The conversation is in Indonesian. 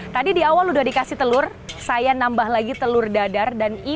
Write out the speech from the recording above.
tadi di awal udah dikasih telur saya nambah lagi telur dadar dan ikan